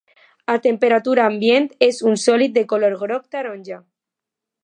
A temperatura ambient és un sòlid de color groc-taronja.